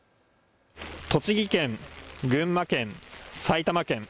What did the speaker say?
栃木県、群馬県、埼玉県。